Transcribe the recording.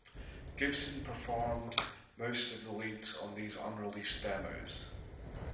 Gibson performed most of the leads on these unreleased demos.